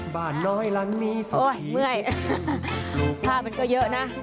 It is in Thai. บ้านน้อยร้างนี้โอ๊ยเมื่อยหน้าก็เยอะนะ